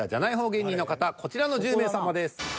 芸人の方こちらの１０名様です。